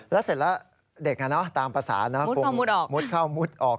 แล้วเสร็จแล้วเด็กตามภาษานะคงมุดเข้ามุดออก